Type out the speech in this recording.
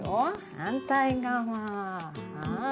反対側。